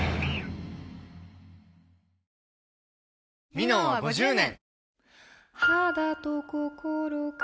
「ミノン」は５０年！